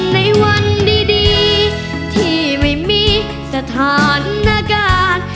ในวันดีที่ไม่มีสถานการณ์